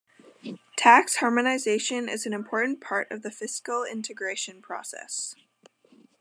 Tax harmonization is an important part of the fiscal integration process.